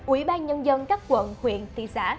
ủy ban nhân dân các quận huyện tỷ xã